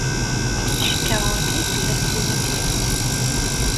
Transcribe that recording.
Cikkeɣ ɣer-k ay tella tsiwant-inu.